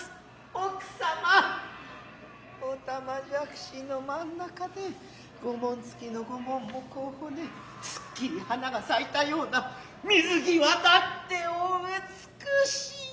奥様おたまじやくしの真中で御紋着の御紋も河骨すつきり花が咲いたやうな水際立つてお美しい。